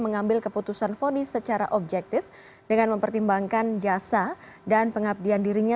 mengambil keputusan fonis secara objektif dengan mempertimbangkan jasa dan pengabdian dirinya